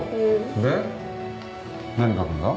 で何書くんだ？